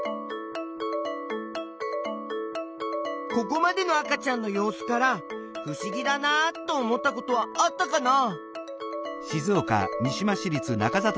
ここまでの赤ちゃんの様子からふしぎだなと思ったことはあったかな？